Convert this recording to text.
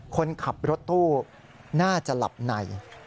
คนขับรถตู้น่าจะหลับใน